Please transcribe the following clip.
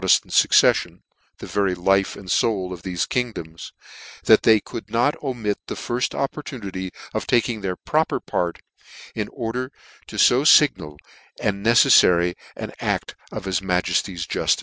efhmt fuccefiion (the very life and v ibul of thefe kingdoms) that they could not omit the firft opportunity of taking their proper part, in order to fo fignal and necefiary an act of his majefty's juftice.